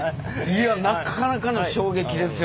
いやなかなかの衝撃ですよ。